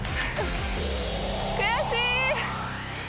悔しい！